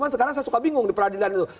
sekarang saya suka bingung di peradilan itu